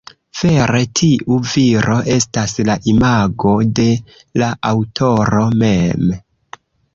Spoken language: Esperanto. Vere tiu viro estas la imago de la aŭtoro mem.